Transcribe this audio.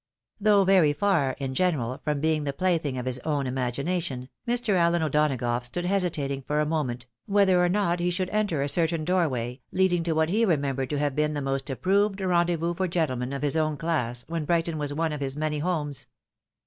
Though very far, in general, from being the plaything of his own imagination, Mr. Allen O'Donagough stood hesitating for a moment, whether or not he should enter a certain doorway, leading to what he remembered to have been the most approved rendezvous for gentlemen of his own class, when Brighton was one of his many homes.